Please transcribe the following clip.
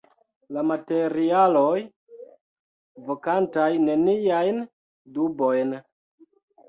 La materialoj, vokantaj neniajn dubojn.